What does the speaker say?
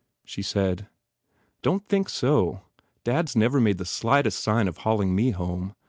She said, "Don t think so. Dad s never made the slightest sign of hauling me home.